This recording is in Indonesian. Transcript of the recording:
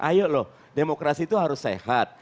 ayo loh demokrasi itu harus sehat